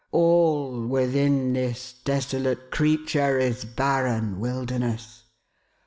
All within this desolate creature is barren wilderness.